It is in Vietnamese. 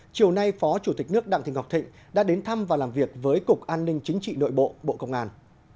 chiều nay phó chủ tịch nước đặng thị ngọc thịnh đã đến thăm và làm việc với cục an ninh chính trị nội bộ bộ công an